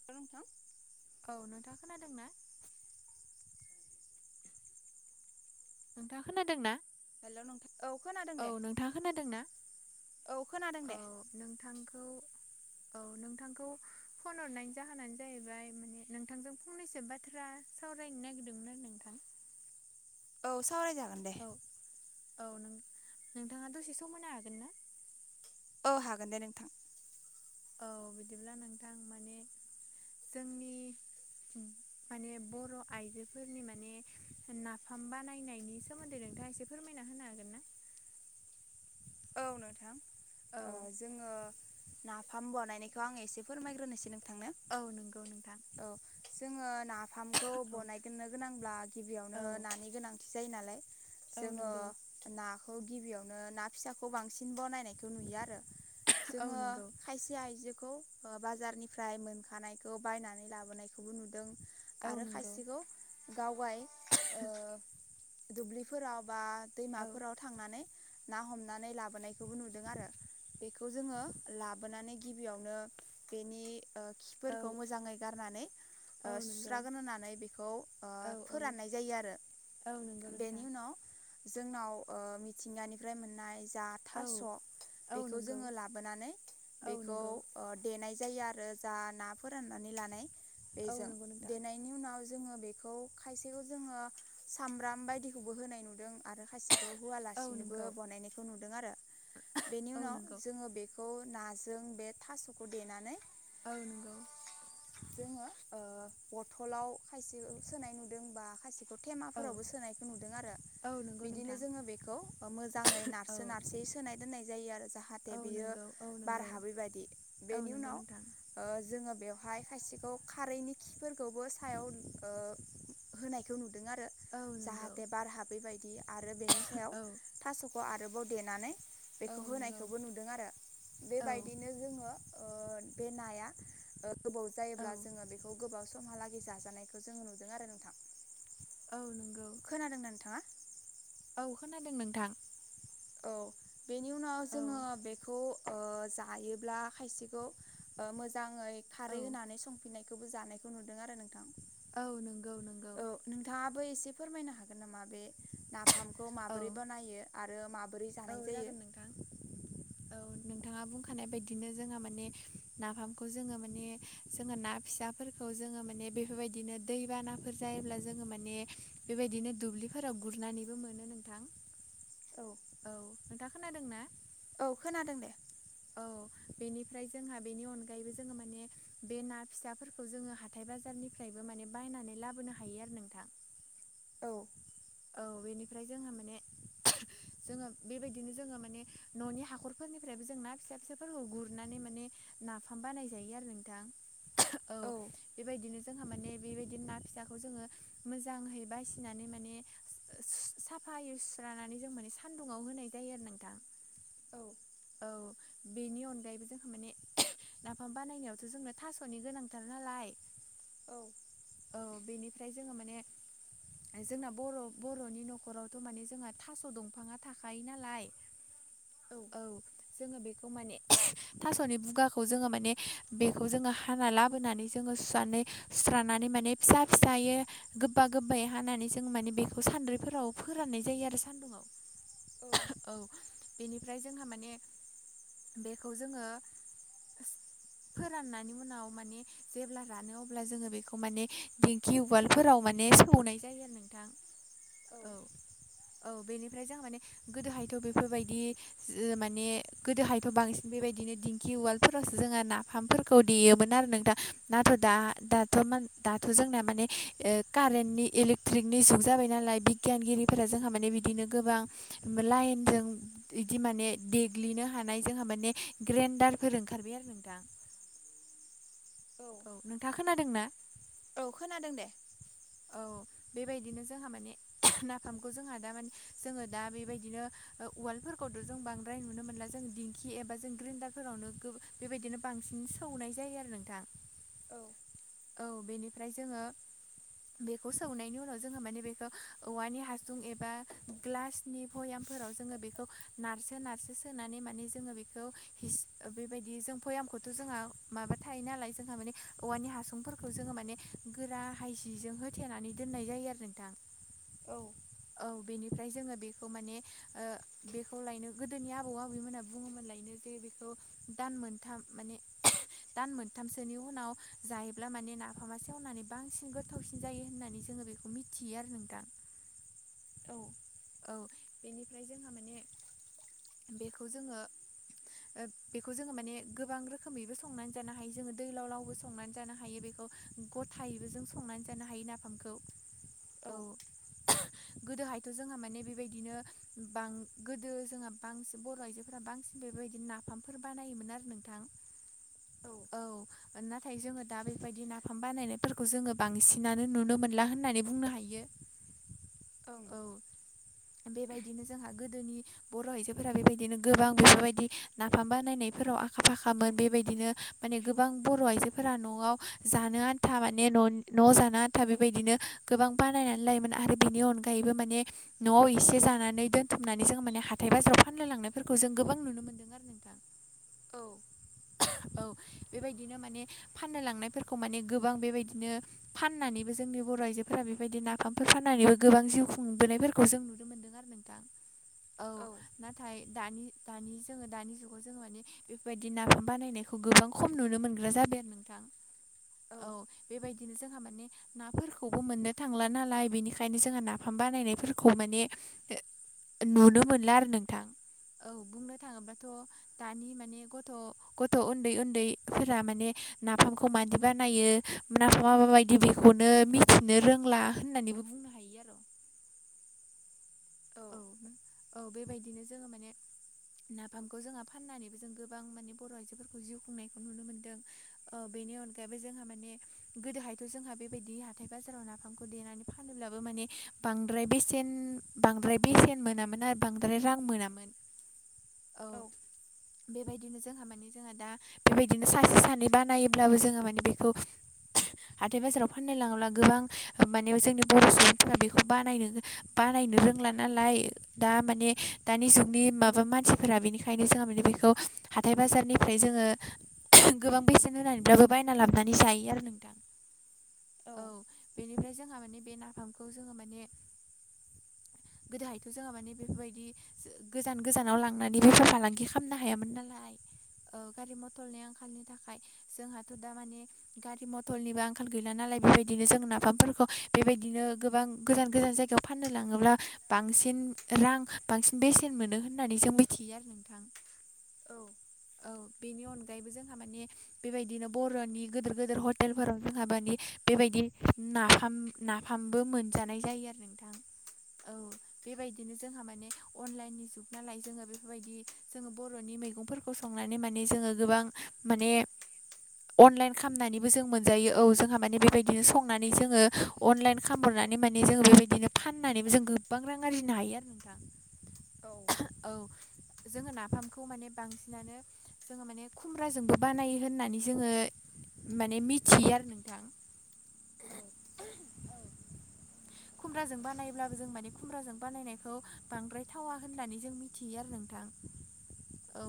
[unintelligible] नोंथां। औ नोंथाङा खोनादों ना? नोंथाङा खोनादों ना? हेल' नोंथां औ खोनादों औ दे नोंथाङा खोनादों ना औ खोनादों औ दे। नोंथांखौ औ नोंथांखौ फन हरनायनि जाहोनानो जाहैबाय माने नोंथांजों फंनैसो बाथ्रा सावरायनो नागिरदोंमोन आरो नोंथां। औ सावरायजागोन दे। औ औ नों नोंथाङा दसे सम होनो हागोन ना? औ हागोन दे नोंथां। औ बिदिब्ला नोंथां माने जोंनि माने बर' आइजोफोरनि माने नाफाम बानायनायनि सोमोन्दै नोंथाङा एसे फोरमायना होनो हागोन ना? औ नोंथां ओ औ जोङो नाफाम बनायनायखौ आङो एसे फोरमायग्रोनोसै नोंथांनो। औ नंगौ नों औ जोंङो नाफामखौ बनायग्रोनो गोनांब्ला गिबियावनो औ नानि गोनां जायो नालाय औ जोङो नंगौ नाखौ गिबियावनो ना फिसाखौ बांसिन बनायनाय खौ नुयो आरो। औ जोङो नंगौ खायसे आइजोखौ बाजारनिफ्राय मोनखानायखौ बायनानै लाबोनायखौबो नुदों। औ आरो नंगौ खायसेखौ गावगाय ओ दुब्लिफोराव बा औ दैमाफोराव थांनानै ना हमनानै लाबोनायखौबो नुदों आरो। बेखौ जोङो लाबोनानै गिबियावनो बेनि ओ खिन्थादोंमोन औ खौ मोजाङै गारनानै नंगौ सुस्रागोन होननानै बेखौ ओ औ औ फोराननाय जायो आरो। औ नंगौ बेनि नोंथां। उनाव जोंनाव ओ मिथिंगानिफ्राय मोननाय जा औ थास' औ बेखौ नंगौ जोङो लाबोनानै औ बेखौ नंगौ देनाय जायो आरो, जा ना फोराननानै लानाय औ बेजों नंगौ नोंथां देनाय नि उनाव जोङो बेखौ खायसेखौ जोङो सामब्राम बायदिखौबो होनाय नुदों आरो खायसे खौ औ होवालासेनोबो नंगौ बनायनायखौ नुदों आरो। बेनि औ उनाव नंगौ जोङो बेख खौ नाजों बे थास'खौ देनानै औ नंगौ। जोङो ओ बथलाव खायसे सोनाय नुदों बा खायसेखौ औ टेमाफोरावबो सोनायखौ नुदों आरो। औ नंगौ बिदिनो नोंथां जोङो बेखौ मोजाङै औ नारसो नारसोयै सोनाय दोननाय जायो आरो जाहाथे औ बियो नंगौ औ बार नंगौ हाबै बायदि। औ बेनि नंगौ उनाव नोंथां ओ जोङो बेवहाय खायसेखौ खारैनि खिफोरखौबो सायाव ओ होनायखौ नुदों आरो। औ नंगौ जाहाथे बार हाबैबायदि आरो बेनि सायाव औ थास'खौ आरोबाव देनानै औ बेखौ नंगौ होनायखौबो नुदों आरो औ बेबायदिनो जोङो ओ बे नाया ओ गोबाव औ जायोब्ला जोङो बेखौ गोबाव समहालागै जाजानायखौ जोङो नुदों आरो नोंथां। औ नंगौ। खोनादोंना नोंथाङा? औ खोनादों नोंथां। औ बेनि उनाव औ जोङो बेखौ ओ जायोब्ला खायसेखौ ओ मोजाङै औ खारै होनानै सं फिनायखौबो जानायखौ नुदों आरो नोंथां। औ नोंगौ नोंगो। औ नोंथाङाबो एसे फोरमायनो हागोन नामा बे नाफामखौ औ माबोरै बानायो आरो माबोरै औ जानाय जायो। [unintelligible] औ नोंथाङा बुंखानाय बदिनो जोंहा माने नाफामखौ जोङो माने जोङो ना फिसा फोरखौ जोङो माने बेफोरबायदिनो दैबानाफोर जायोब्ला जोङो माने बेबायदिनो दुब्लि फोराव गुरनानैबो मोनो नोंथां। औ औ नोंथाङा खोनादों ना? औ खोनादों दे औ बेनिफ्राय जोंहा बेनि अनगायैबो जोङो माने बे ना फिसाफोरखौ जोङो हा थाइ बाजारनिफ्रायबो माने बायनानै लाबोनो हायो आरो नोंथां औ औ बेनिफ्राय जोंहा माने [unintelligible] जोङो बेबायदिनो जोङो माने न'नि हाखरफोरनिफ्रायबो जों ना फिसा फिसाफोरखौ गुरनानै माने नाफाम बानायजायो आरो नोंथां [unintelligible] औ बेबायदिनो जोंहा माने बेबायदि ना फिसाखौ जोङो मोजाङै बासिनानै माने साफायै सुस्रानानै जों माने सानदुङाव होनाय जायो आरो नोंथां। औ। औ बेनि अनगायैबो जोंहा माने नाफाम बानायनायावथ' जोंनो थास'नि गोनांथार नालाय, औ। औ बेनिफ्राय जोङो माने जोंना बर-' बर'नि न'खरावथ' माने जोंहा थास' दंफाङा थाखायो नालाय। औ। औ जोङो बेखौ माने [unintelligible] थास'नि बुगाखौ जोङो माने बेखौ जोङो हाना लाबोनानै जोङो सुनानै सुस्रानानै माने फिसा फिसायो गोब्बा गोब्बै हानानैसो जों माने बेखौ सान्द्रिफोराव फोराननाय जायो आरो सान्दुंआव औ औ बेनिफ्राय जोंहा माने बेखौ जोङो फोराननायनि उनाव माने जेब्ला रानो अब्ला जोङो बेखौ माने दिंखि उवालफोराव माने सौनाय जायो आरो नों थां औ औ बेनिफ्राय जों माने गोदोहायथ' बेफोरबायदि माने गोदोहायथ' बांसिन बेबायदिनो दिंखि उवालफोरावसो जोंहा नाफामफोर खौ देयोमोन आरो नों दा नाथ' दा दाथ' दाथ' जोंना माने ओ कारेन्टनि इलेक ट्रिकनि जुग जाबाय नालाय बिगियानगिरिफोरा जोंहा माने बिदिनो गोबां लाइनजों इदि माने देग्लिनो हानाय जोंहा माने ग्रेन्डारफोर ओंखारबाय आरो नोंथां औ नोंथाङा खोनादों ना? औ खोनादों दे औ बेबायदिनो जोंहा माने [unintelligible] नाफामखौ जोंहा दा माने जोङो दा बेबायदिनो ओ उवालफोरखौथ' जों बांद्राय नुनो मोनला जों दि खि एबा जों ग्रेन्डारफोरावनो गो बेबायदिनो बांसिन सौनाय जायो आरो नोंथां औ औ बेनिफ्राय जोङो बेखौ सौनायनि उनाव जोङो माने बेखौ औवानि हासुं एबा ग्लास नि भयामफोराव जोङो बेखौ नारसो नारसो सोनानै माने जोङो बेखौ हिस बेबायदि जों भयामखौथ' जोंहा माबा थायो नालाय जोंहा माने औवानि हासुं सुंफोरखौ जोङो माने गोरा हायजिजों होथेनानै दोननाय जायो आरो नोंथां औ औ बिनिफ्राय जोङो बेखौ माने ओ बेखौ लायनो गोदोनि आबौ आबैमोनहा बुङोमोन लायनो जे बेखौ दान मोनथाम माने [unintelligible] दान मोनथामसोनि उनाव जाय अब्ला माने नाफामा सेवनानै बांसिन गोथावसिन जायो होननानै जोङो बेखौ मिथियो आरो नोंथां [inaudible] औ औ बेनिफ्राय जोंहा माने बेखौ जोङो ओ बेखौ जोङो माने गोबां रोखोमैबो संनानै जानो हायो जोङो दैलाव लावबो संनानै जानो हा हायो बेखौ गथायैबो जों संनानै जानो हायो नाफामखौ औ। [unintelligible] गोदोहायथ' जोंहा माने बेबायदिनोां गोदो जोंहा बांसिन बर'आइ जो फोरफोरा बांसिन बेबायदिनो नाफामफोर बानायोमोन आरो नोंथां। औ नाथाय जोङो दा बेबायदि नाफाम बानायनायफोरखौ जोङो बांसिनानो नुनो मोनला होननानै बुंनो हायो। औ बेबायदिनो जोंहा गोदोनि बर' आइजोफोरा बेबायदिनो गोबां बेफोरबायदि नाफाम बानायनायफोराव आखा फाखामोन। बेबायदिनो माने गोबां बर' आइजोफोरा न' न'आव जानो आन्था माने न'नि न' जानो आन्था बेबायदिनो गोबां बानायनानै लायोमोन आरो बिनि अनगायैबो माने न'आव इसे जानानै दोनथुमनानै जों माने हाथाय बाजाराव फानलाय लांनायफोरखौ जों गोबां नुनो मोनदों आर थार नोंथां औ [unintelligible] औ बेबायदिनो माने फाननो लांनायफोरखौ माने गोबां बेबायदिनो फाननानैबो जोंनि बर' आइजोफोरा बेबायदि नाफामफोर फाननानैबो गोबां जिउ खुंबोनायफोरखौ जों नुनो मोन्दों आरो नोंथां। औ। नाथाय दानि दानि जोङो दानि जुगाव जोङो माने बेफोरबायदि नाफाम बानायनायखौ गोबां खम नुनो मोनग्रा जाबाय आरो नों -थां औ बेबायदिनो जोंहा माने नाफोरखौबो मोननो थांला नालाय बिनिखायनो जोंहा नाफाम बानायनायफोरखौ माने नुनो मोनला आरो नोंथां। औ बुंनो थाङोबाथ' दानि माने गथ' गथ' उन्दै उन्दै फोरा माने नाफामखौ मादि बानायो नाफामा माबायदि बेखौनो मिथिनो रोंला होननानैबो बुं औ औ बेबायदिनो जोङो माने नाफामखौ जोंहा फाननानैबो जों गोबां माने बर' आइजोफोरखौ जिउ खुंनायखौ नुनो मोनदों। ओ बेनि अनगायैबो जोंहा माने गोदोहायथ' जोंहा बेबायदि हाथाय बाजाराव नाफामखौ देनानै फानोब्लाबो माने बांद्राय बेसेन बांद्राय बेसेन मोनामोन आरो बांद्राय रां मोनामोन। औ बेबायदिनो जोंहा मानि जोङो दा बेबायदिनो सासे सानै बानायोब्लाबो जोङो माने बेखौ हाथाय बाजाराव फाननो लाङोब्ला गोबां माने जोंनि बर' सुबुंफोरा बेखौ बानायनो बानायनो रोंला नालाय। दा माने दानि जुगनि माबा मानसिफोरा बेनिखायनो जोंहा माने बेखौ हाथाय बाजारनिफ्राय जोङो गोबां बेसेन होनानै ब्लाबो बायना लाबोनानै जायो आरो नोंथां। औ बेनिफ्राय जोंहा माने बे नाफामखौ जोङो माने गोदोहायथ' जोहा माने बेफोरबायदि गोजान गोजानाव लांनानै बेफार फालांगि खालामनो हायामोन नालाय। गारि मथरनि आंखालनि थाखाय जोंहाथ' दा माने गारि गारि मथरनिबो आंखाल गैला नालाय बेबायदिनो जों नाफामफोरखौ बेबायदिनो गोबां गोजान गोजान जायगायाव फाननो लाङोब्ला बांसिन रां बांसिन बेसेन मोनो होननानै जों मिथियो आरो नोंथां। औ। औ बेनि अनगायैबो जोंहा माने बेबायदिनो बर'नि गिदिर गिदिर हटेलफोराव जोंहा माने बेबायदि नाफाम नाफामबो मोनजानाय जायो आरो नोंथां। औ बेबायदिनो जोंहा माने अनलाइननि जुग नालाय जोङो बेफोरबायदि बर'नि मैगंफोरखौ संनानै माने जोङो गोबां माने अनलाइन खालामनानैबो जों मोनजायो औ जोंहा माने बेबायदिनो संनानै जोङो अनलाइन खालामहरनानै माने जोंङो बेबायदिनो फाननानैबो जों गोबां रां आरजिनो हायो आरो नोंथां। औ। औ जोङो नाफामखौ माने बांसिनानो जोङो माने खुमब्राजोंबो बानायो होननानै जोङो माने मिथियो आरो नोंथां। औ। खुमब्राजों बानायब्ला जों माने खुमब्राजों बानायनायखौ बांद्राय थावा होननानै जों मिथियो आरो नोंथां। औ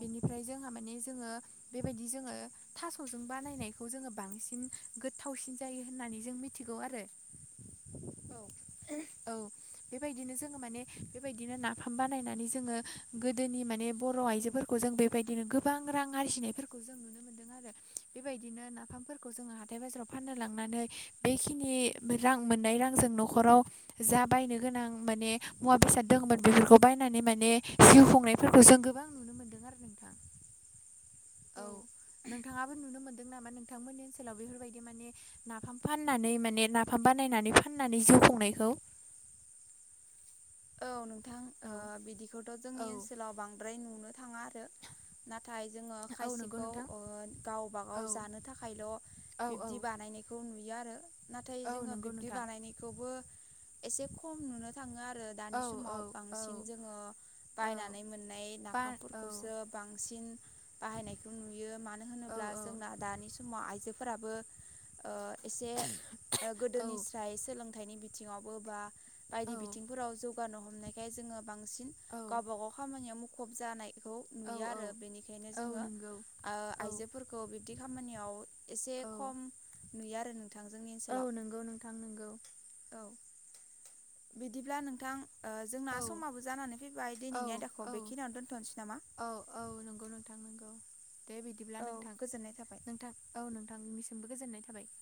बेनिफ्राय जोंहा माने जोङो बेबायदि जोङो थास'जों बानायनायखौ जोङो बांसिन गोथावसिन जायो होननानै जों मिथिगौ आरो। औ। औ बेबायदिनो जोङो माने बेबायदिनो नाफाम बानायनानै जोङो गोदोनि माने बर' आइजोफोरखौ जों बेबायदिनो गोबां रां आरजिनायफोरखौ जों नुनो मोनो। आरो बेबायदिनो नाफामफोरखौ जोङो हाथाय बाजाराव फाननो लांनानै बेखिनि रां मोननाय रांजों न'खराव जा बायनो गोनां मोने मुवा बेसाद दोङोमोन बेफोरखौ बायनानै माने जिउ खुंनायफोरखौ जों गोबां नुनो मोन्दों आरो नोंथां। औ नोंथाङाबो नुनो मोनदों नामा नोंथांमोननि ओनसोलाव बेफोरबायदि माने माने नाफाम फाननानै माने नाफाम बानायनानै फाननानै जिउ खुंनायखौ। औ नोंथां औ ओ बिदिखौथ'‌ जोंनि औ ओनसोलाव बांद्राय नुनो थाङा आरो। नाथाय जोङो औ नंगौ खायसेखौ नोंथां ओ गावबागाव औ जानो थाखायल' बिब्दि औ बानायनायखौ नुयो आरो। नाथाय औ जोङो नंगौ बिब्दि नोंथां बानायनायखौबो एसे खम नुनो थाङो आरो। दानि औ औ समाव बांसिन औ जोङो औ बायनानै मोननाय बा औ नाफामफोरखौसो बांसिन बाहायनायखौ नुयो मानो औ होनोब्ला जोंना दानि समाव आइजोफोराबो ओ एसे औ गोदोनिस्राय सोलों थाइनि बिथिङावबो बा बायदि औ बिथिंफोराव जौगानो हमनायखाय जोङो बांसिन औ गाव बा गाव खामानियाव मुखुब जानायखौ औ नुयो आरो बेनिखायनो औ जोङो नंगौ ओ औ आइजोफोरखौ बिब्दि खामानियाव एसे औ खम नुयो आरो नोंथां जोंनि औ ओनसोलाव। नंगौ नोंथां नोंगौ। औ। बिदिब्ला नोंथां ओ जोंना औ समाबो जानानै फैबाय औ दिनैनि आयदाखौ औ बेखिनियावनो दोनथ'नोसै नामा? औ औ नंगौ नोंथां नंगौ दे बिदिब्ला औ नोंथां। गोजोननाय थाबाय नोंथां औ नोंथांनिसिमबो गोजोननाय थाबाय।